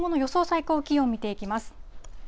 最高気温を見ていきます。